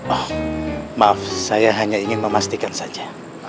oh maaf saya hanya ingin memastikan saja